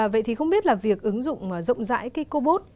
vậy thì không biết là việc ứng dụng rộng rãi cái cobot